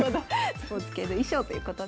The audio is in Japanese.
スポーツ系の衣装ということです。